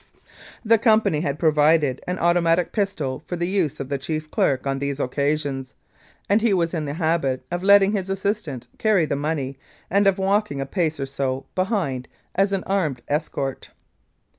The Company had provided an automatic pistol for the use of the chief clerk on these occasions, and he was in the habit of letting his assistant carry the money and of walking a pace or so behind as an armed escort.